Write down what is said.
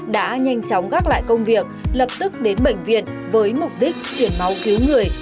đã nhanh chóng gác lại công việc lập tức đến bệnh viện với mục đích chuyển máu cứu người